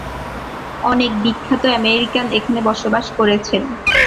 অনেক বিখ্যাত আমেরিকান এখানে বসবাস করেছেন।